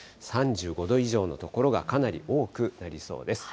３５度以上の所がかなり多くなりそうです。